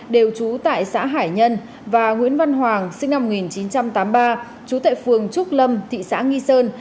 đều trú tại xã hải nhân và nguyễn văn hoàng sinh năm một nghìn chín trăm tám mươi ba trú tại phường trúc lâm thị xã nghi sơn